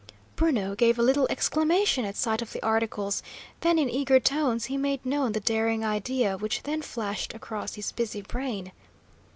Bruno gave a little exclamation at sight of the articles, then in eager tones he made known the daring idea which then flashed across his busy brain.